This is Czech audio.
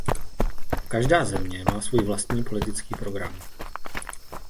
Každá země má svůj vlastní politický program.